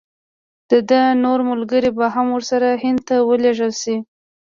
د ده نور ملګري به هم ورسره هند ته ولېږل شي.